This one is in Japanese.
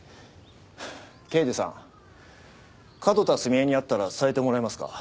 刑事さん角田澄江に会ったら伝えてもらえますか？